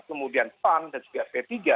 kemudian pan dan juga p tiga